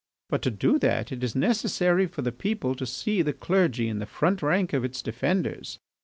But to do that it is necessary for the people to see the clergy in the front rank of its defenders.